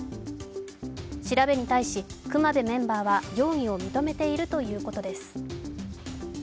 調べに対し、隈部メンバーは容疑を認めているということです。